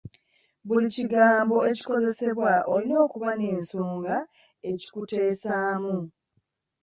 Buli kigambo ekikozesebwa olina okuba n'ensonga ekikuteesaamu.